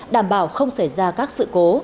đảm bảo không xảy ra các sự cố